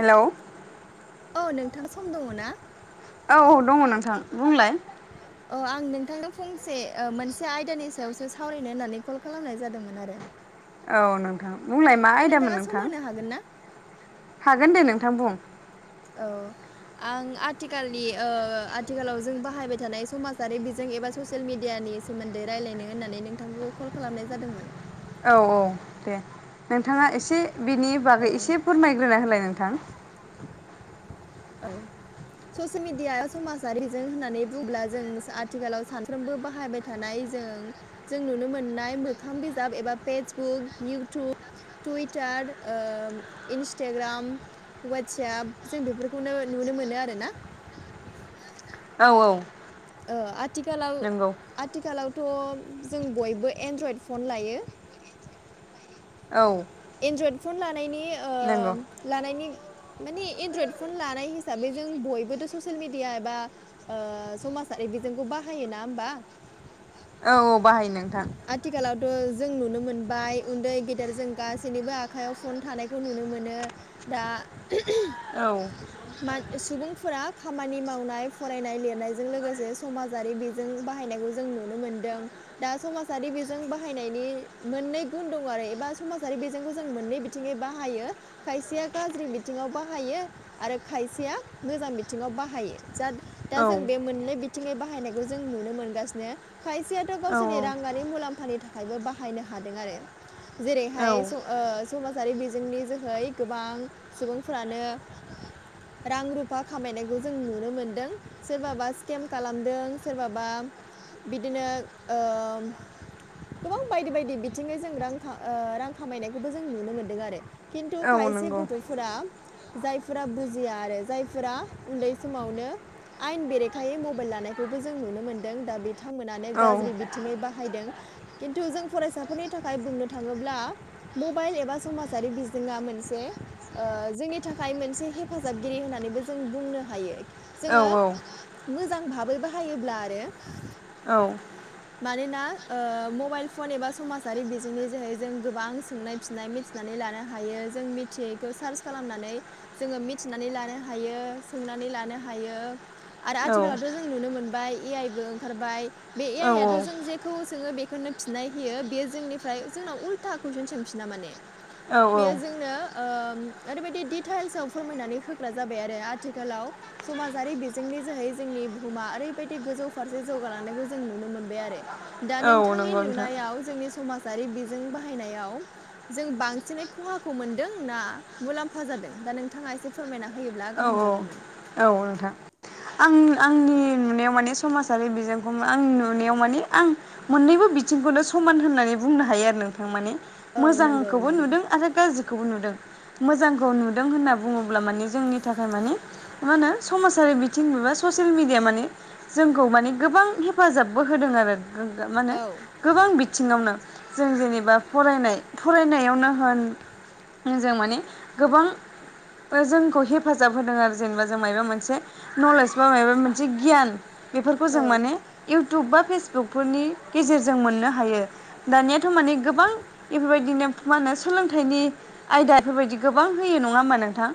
Hello. औ नोंथां सम दङ ना? औ औ दङ नोंथां बुंलाय। अ आं नोंथांजों फंसे ओ मोनसे आयदानि सायावसो सावरायनो होननानै कल खालामनाय जादोंमोन आरो। औ नोंथां बुंलाय मा दा आयदामोन नोंथाङा सम नोंथां होनो हागोन ना? हागोन दे नोंथां बुं। औ। आं आथिखालनि ओ आथिखालाव जों बाहायबाय थानाय समाजारि बिजों एबा ससियेल मेडियानि सोमोन्दै रायलायनो होननानै नोंथांखौ कल खालामनाय जादोंमोन। औ औ दे नोंथाङा एसे बेनि बागै औ एसे फोरमायग्रोना होलाय नोंथां। औ। ससियेल मिडिया समाजारिजों होननानै बुङोब्ला जों आथिखालाव सानफ्रोमबो बाहायबाय थानाय जों जों नुनो मोननाय मोखां बिजाब एबा फेसबुक इउटुब टुइटार ओ इन्स्टाग्राम वाटसप जों बेफोर खौनो नुनो मोनो आरोना। औ औ। ओ आथिखालाव नंगौ आथिखालावथ' जों बयबो एन्ड्रइड फन लायो। औ। एन्ड्रइड फन लानायनि नंगौ ओ लानायनि मानि एनड्रयड फन लानाय हिसाबै जों बयबोथ' ससियेल मिडिया एबा ओ समाजारि बिजोंखौ बाहाय ना होमबा? औ औ बाहायो नोंथां। आथिखालावथ' जों नुनो मोनबाय उन्दै गेदेर जों गासैनिबो आखाइयाव फन थानायखौ नुनो मोनो। दा औ। मान सुबुंफोरा खामानि मावनाय फरायनाय लिरनायजों लोगोसे समाजारि बिज जों बाहायनायखौ जों नुनो मोनदों दा समाज जारि बिजों बाहायनायनि मोननै गुन दङ आरो एबा समाजारि बिजोंखौ जों मोननै बिथिङै बाहायो। खायसेया गारज्रि बिथिङाव बाहायो आरो खायसेया मोजां बिथिङाव बाहायो जा दा औ जों बे मोननै बिथिङै बाहायनायखौ जों नुनो मोनगासिनो खायसेयाथ' गावसोरनि औ रां आरि मुलाम्फानि थाखायबो बाहायनो हादों आरो। औ जेरैहाय स ओ समाजारि बिजोंनि जोहै गोबां सुबुंफोरानो रां रुफा खामायनायखौ जों नुनो मोनदों। सोरबाबा स्केम खालामदों सोरबाबा बिदिनो ओ गोबां बायदि बायदि बिथिङै जों रां खा ओ रां खामायनायखौबो जों नुनो मोनदों आरो। खिन्थु औ खायसे नंगौ गथ'फोरा जायफोरा बुजिया आरो जायफोरा उन्दै समावनो आयेन बेरेखायै मबाइल लानायखौबो जों नुनो मोनदों दा बिथांमोनानो औ गारज्रि बिथिङै बा हायदों खिन्थु जों फरायसाफोरनि थाखाय बुंनो थाङोब्ला मबाइल एबा समाजारि बिजोङा मोनसे ओ जोंनि थाखाय मोनसे हे जाबगिरि होननानैबो जों बुंनो हायो। औ जोङो मोजां भाबै बाहायोब्ला आरो औ। मानोना ओ मबाइल फन एबा समाजारि बिजोंनि जोहै जों गोबां सोंनाय फिननाय मिथि नानै लानो हायो जों मिथियैखौ सार्च खालामनानै जोङो मिथिनानै लानो हायो सोंनानै लानो हायो आरो आथिखालावथ' जों नुनो मोनबाय ए आइ बो ओंखारबाय बे ए आइआथ' जों जे खौ सोङो बेखौनो फिननाय होयो बेयो जोंनिफ्राय जोंनाव उल्था कुइसन सोंफिना माने औ बेयो जोंनो उम ओरैबायदि डिटेल्साव फोरमायनानै होग्रा जाबाय आरो आथिखालाव समाजारि बिजोंनि जोहै जोंनि बुहुमा ओरैबायदि गोजौ फारसे जौगालांनायखौ जों नुनो मोनबाय आरो दा औ नोंथांनि नंगौ नोंथां नुनायाव जोंनि समाजारि बिजों बाहायनायाव जों बांसिनै खहाखौ मोनदों ना मुलाम्फा जादों दा नोंथाङा एसे फोरमायना होयोब्ला औ गाहाम जागौमोन। औ औ नोंथां। आं आंनि नुनायाव माने समाजारि बिजोंखौ आंनि नुनायाव माने आं मोननैबो बिथिंखौनो समान होननानै बुंनो हायो आरो नोंथां माने औ नंगौ मोजांखौबो नंगौ नुदों आरो गाज्रि खौ नुदों मोजांखौ नुदों होनना बुङोब्ला माने जोंनि नि थाखाय माने मा होनो समाजारि बिथिं एबा ससियेल मिडिया माने‌ जोंखौ माने गोबां हेफाजाबबो होदों आरो मा होनो औ गोबां बिथिङावनो जों जेनेबा फरायनाय फरायनायावनो होन जों माने गोबां जोंखौ हे हेफाजाब होदों आरो जेनेबा जों माबबा मोनसे नलेज बा माबबा मोनसे गियान बेफोरखौ जों औ माने इउटुब बा फेसबुकफोरनि गेजेरजों मोननो हायो। दानियाथ' माने गोबां बेफोरबायदिनो मा होनो सोलोंथाइनि आयदा बेफोरबायदि गोबां होयो नङा होमबा नोंथां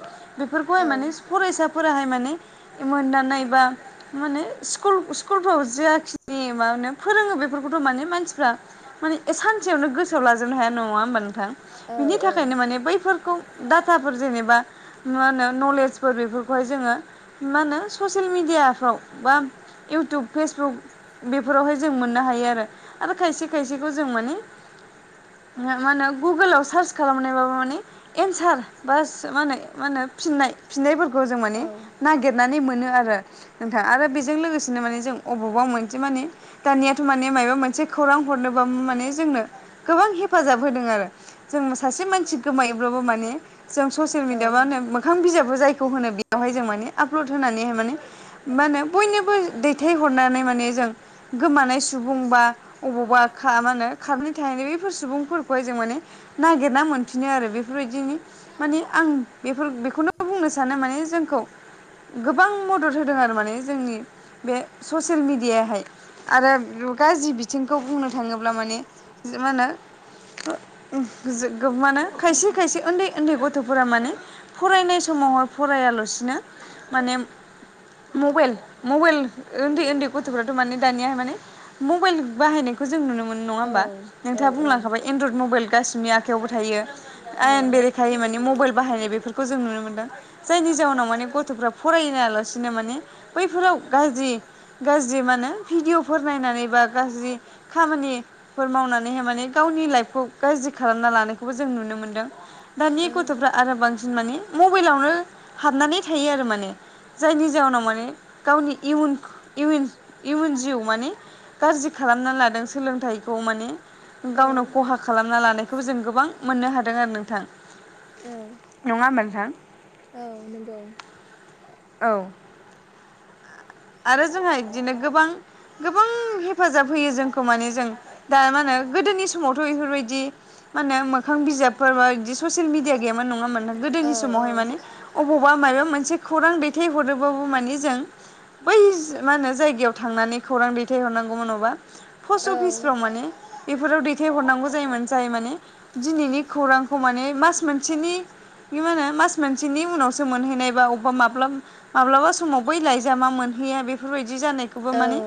बेफोरखौहाय औ माने फरायसाफोराहाय माने मोनदानाय बा माने स्कुल स्कुलफ्राव जेाखिनि मे फोरोङो बेफोरखौथ' माने मानसिफ्रा माने सानसेयावनो गोसोआव लाजोबनो हाया नङा होनोमबा नोंथां औ बिनि औ थाखायनो माने बैफोरखौ डाटाफोर जेनेबा मा होनो नलेजफोर बेफोरखौहाय जोङो मा होनो ससेेल मेडियाफ्राव बा इउटउब फेसबुक बेफोरावहाय जों मोननो हायो आरो आरो खायसे खायसेखौ जों माने मा होनो गुगोलाव सार्च खालामनायबाबो माने एन्सार बास माने मा होनो फिननाय फिननायफोरखौ जों माने औ नागिरनानै मोनो आरो नोंथां आरो बेजों लोगोसेनो माने जों अबावबाव मोनसे माने दानियाथ' माने माबा मोनसे खौरां हरनोबो माने जोंनो गोबां हेफाजाब होदों आरो जों सासे मानसि गोमायोब्लाबो मानिे जों ससियेल औ मिडियाबा मओंखां बिजाबखौ जायखौ होनो बेयावहाय जों माने आपलड होनानैहाय माने मा होनो बयनोबो दैथायहरनानै माने जों गोमानाय सुबुं बा अबावबा खा मा होनो खारनि थाखायनो बैफोर सुबुंफोरखौहाय जों माने नागिरना मोनफिनो आरो बेफोरबायदिनो माने आं बेफोर बेखौनो बुंनो सानो माने जोंखौ गोबां मदद होदों आरो माने जोंनि बे ससियेल मिडियाहाय आरो गाज्रि बिथिंखौ बुंनो थाङोब्ला माने मा होनो माने खायसे खायसे उन्दै उन्दै गथ'फोरा माने फरायनाय समावहाय फरायालासिनो माने मबेल मबेल ओन्दै ओन्दै गथ'फ्राथ' माने दानियाहाय माने मबाइल बाहायनायखौ जों नुनो मोनो नङा होमबा? नोंथाङा औ बुंलांखाबाय एन्ड्रयड मबाइल गासिबनि आखायावबो थायो आयेन बेरेखायै माने मबाइल बाहायनाय बे फोरखौ जों नुनो मोन्दों। जायनि जाउनाव माने गथ'फ्रा फरायनायालासिनो माने बैफोराव गाज्रि गाज्रि मानो भिडिअ'फोर नायनानै बा गाज्रि खामानि फोर मावनानैहाय माने गावनि लाइफखौ गाज्रि खालामना लानायखौबो जों नुनो मोन्दों। दानि गथ'फ्रा औ आरो बांसिन माने मबाइलावनो हाबनानै थायो आरो माने जायनि जाउनाव माने गावनि इयुन इविन इयुन जिउ माने गाज्रि खालामना लादों सोलोंथाइखौ माने गावनाव खहा खालामना लानायखौ जों गोबां मोननो हादों आरो नोंथां। औ। नङा होमबा नोंथां? औ नोंगौ। औ। आरो जोंहा इदिनो गोबां गोबां हेफाजाब होयो जोंखौ माने जों दा मा होनो गोदोनि स समावथ' बेफोरबायदि मा होनो मोखां बिजाबफोर बा इदि ससियेल मिडिया गैयामोन नङा होमबा नों औ गोदोनि समावहाय माने अबावबा माबा मोनसे खौरां दैथाय हरोबाबो माने जों बै मा होनो जायगायाव थांनानै खौरां दैथाय हरनांगौमोन अबा पस्ट औ अफिसफ्राव माने बेफोराव दैथायहरनांगौ जायोमोन जाय माने दिनैनि खौरांखौ माने मास मोनसेनि बि मा होनो मास मोनसेनि उनावसो मोनहैनाय बा अबेबा माब्लाब माब्लाबा समाव बै लायजामा मोनहैया बेफोरबायदि जानायखौबो औ माने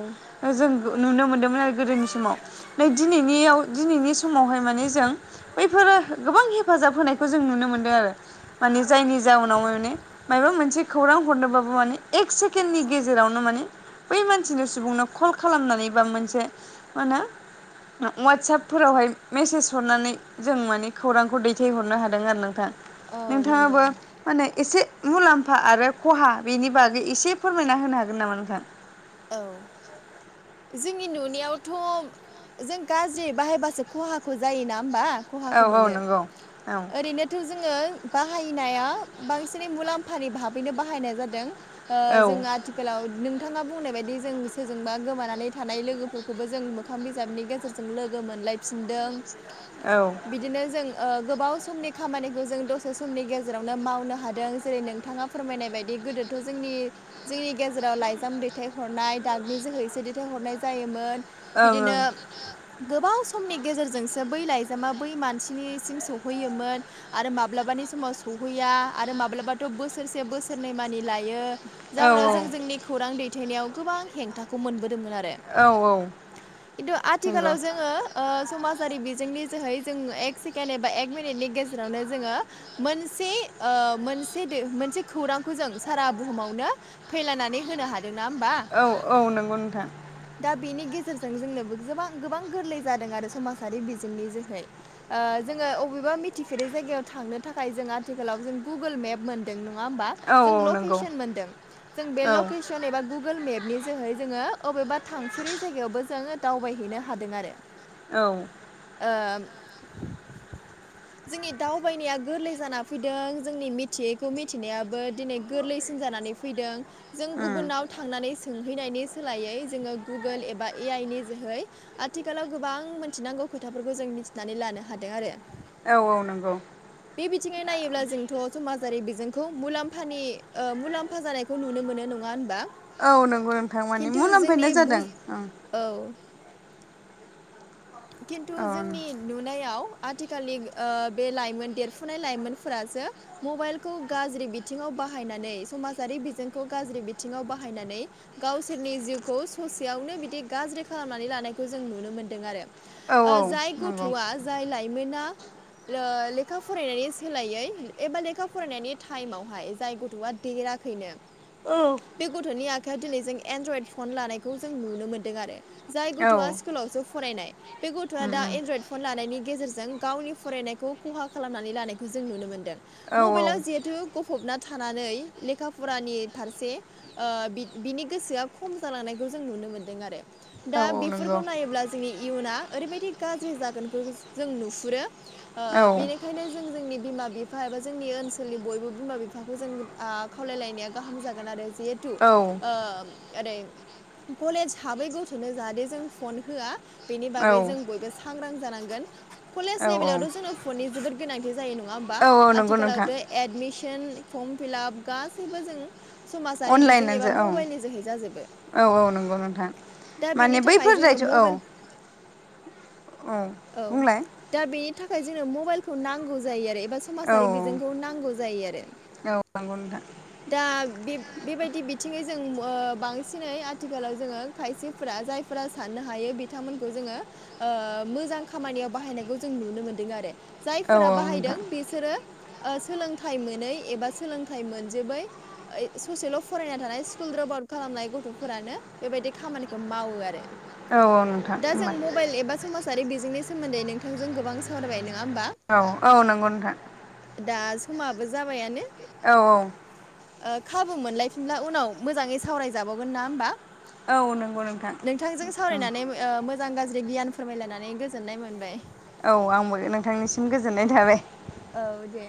जों नुनो मोन्दोंमोन आरो गोदोनि समाव नै दिनैनियाव दिनैनि समावहाय माने जों बैफोरो गोबां हेफाजाब होनायखौ जों नुनो मोनदों आरो। माने जायनि जाउनाव माने माबेबा मोनसे खौरां हरनोबाबो माने एक सेकेडनि गेजेरावनो माने बै मानसिनि सुबुंनो कल खालामनानै बा मोनसे मा होनो अवाटसापफोरावहाय मेसेज हरनानै जों माने खौरांखौ दैथायहरनो हादों आरो नोंथां। औ नंगौ नोंथाङाबो माने एसे मुलाम्फा आरो खहा बेनि बागै एसे फोर फोरमायना होनो हागोन नामा नोंथां? औ। जोंनि नुनायावथ' जों गाज्रि बाहायबासो खहाखौ जायोना होमबा औ खहाखौ औ मोनो नंगौ औ ओरैनो थ' जोङो बाहायनाया बांसिनै मुलाम्फानि भाबैनो बाहायनाय जादों। ओ औ जों आथिखालाव नोंथाङा बुंनाय बायदि जों सोरजोंबा गोमाना नै थानाय लोगोफोरखौबो जों मोखां बिजाबनि गेजेरजों लोगो मोनलाय फिनदों ओं बि दिनो जों ओ गोबाव समनि खामानिखौ जों दसे समनि गेजेरावनो मावनो हादों जेरै नोंथाङा फोरमायनाय बायदि गोदोथ' जोंनि जोंनि गेजेराव लाइजाम दैथाय हरनाय दागनि जोहैसो दै थाय हरनाय जायोमोन बिदिनो ओं गोबाव समनि गेजेरजोंसो बै लाइजामा बै मानसिनिसिम सौहैयोमोन। आरो माब्लाबानि समाव सौहैया आरो माब्लाबाथ' बोसोरसे बोसोरनै मानि लायो। औ जाउनाव जों जोंनि खौरां दैथायनायाव गोबां हेंथाखौ मोनबोदोंमोन आरो। औ खिन्थु नंगौ आथिखालाव जोङो ओ समाजारि बिजोंनि जोहै जों एक सेकेण्ड एबा एक मिनिटनि गेजेरावनो जोङो मोनसे ओ मोनसे दो मोनसे खौरांखौ जों सारा बुहुमावनो फैलानानै होनो हादों नङा होमबा? औ औ नंगौ नोंथां दा बेनि गेजेरजों जोंनोबो गोबां गोबां गोरलै जादों आरो समाजारि बिजोंनि जोहै ओ जोङो बबेबा मिथिफेरै जायगायाव थांनो थाखाय जों आथिखालाव जों गुगोल मेप मोन नङा होमबा औ जों औ नंगौ लकेसन मोनदों जों बे औ लकेस न एबा गुगोल मेपनि जोहै जोङो अबेबा थांफेरै जायगायावबो जोङो दावबायहैनो हादों आरो औ ओ जोंनि दावबायनाया गोरलै जाना फैदों जोंनि मिथियैखौ मिथिनायाबो दिनै गोरलैसिन जानानै फैदों जों उम गुबुनाव थांनानै सोंहैनायनि सोलायै जोङो गुगोल एबा ए आइ नि जोहै आथिखालाव गोबां मोनथिनांगौ खोथाफोरखौ जों मिथिनानै लानो हादों आरो औ औ नंगौ बे बिथिङै नायोब्ला जोंथ' समाजारि बिजोंखौ मुलाम्फानि मुलाम्फा जानायखौ बे खौ नुनो मोनो नङा होनबा औ नंगौ नोंथां मानि खिन्थु जोंनि मुलामफायनाय जादों बुज औ खिन्थु औ जोंनि नुनायाव आथिखालनि बे लाइमोन देरफुनाय लाइमोनफोरासो मबाइलखौ गाज्रि बिथिङाव बाहायनानै समाजारि बिजोंखौ गाज्रि बिथिङाव बाहायनानै गावसोरनि जिउखौ ससेयावनो बिदि गाज्रि खालामनानै लानायखौ जों नुनो मोन्दों आरो औ जाय नंगौ गथ'आ जाय लाइमोना लेखा फरायनायनि सोलायै एबा लेखा फरायनायनि टाइमावहाय जाय गथ'आ देराखै थैनो औ बे गथ'नि आखाइायाव दिनै जों एनड्रइड फन लानायखौ जों नुनो मोन्दों आरो जाय गथ'आ स्कुलावसो फरायनाय बे गथ'आ उम दा उम एनड्रयड फन लानायनि गेजेरजों गावनि फरायनायखौ खहा खालामनानै लानायखौ जों नुनो मोनदों औ मबाइलाव जिहेथु गफबना थानानै लेखा फरानि फारसे बिनि गोसोआ खम जालांनायखौ जों नुनो मोनदों आरो औ दा औ नंगौ बेफोरखौ नायोब्ला जोंनि इयुना ओरैबायाददि गाज्रि जागोनखौ जों नुहुरो औ बेनिखायनो ओंखायनो जों जोंनि बिमा बिफा एबा जोंनि ओनसोलनि बयबो बिमा बिफाखौ जों खावलायलायनाया गाहाम जागोन आरो जिहेथु औ ओरै कलेज हाबै गथ'नो जाहाथे जों फन होआ बेनि औ बागै जों बयबो सांग्रां जानांगोन औ कलेज लेभेलावथ' जोंनो फननि जोबोद गोनांथि जायो नङा औ नंगौ नोंथां आथिखालावमिसर्म फिप गै जों समाजारि बिजों अनलाइनानो एबा जा औ मबाइलनि जोहै जाजोबो औ औ नंगौ नोंथां दा बेनि माने थाखाय बैफोर जोंनो जायथ' मबाइल औ औ दा बेनि थाखाय जोंनो मबाइलखौ नांगौ जायो आरो एबा औ समाजारि बिजोंखौ नांगौ जायो आरो औ नंगौ नोंथां दा बे बेबायदि बिथिङै जों बांसिनै आथिखालाव जोङो खायसेफ्रा जायफोरा साननो हायो बिथांमोनखौ जोङो मोजां खामानियाव बाहायनायखौ जों नुनो मोनदों आरो औ जायफोरा बाहायदों नोंथां बिसोरो सोलोंथाइ मोनै एबा सोलोंथाइ मोनजोबोै ससेल' फरायना थानाय स्कुल द्रप आउट खालामनाय गथ'फोरानो बेबायदि खामानिखौ मावो आरो औ औ नोंथां होमबा ेल एबा समाजारि बिजोंनि सोमोन्दै नोंथांजों गोबां सावरायबाय नङा होमबा औ औ नंगौ नोंथां दा समाबो जाबायानो औ औ खाबु मोनलायफिनब्ला उनाव मोजाङै सावरायजाबावगोन ना होमबा? औ नंगौ नोंथां नोंथांजों औ सावरायनानै मोजां गाज्रि गियान फोरमायलायनानै गोजोननाय मोनबाय औ आंबो नोंथांनिसिम गोजोननाय थाबाय औ दे